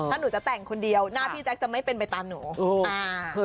ถ้าหนูจะแต่งคนเดียวหน้าพี่แจ๊คจะไม่เป็นไปตามหนู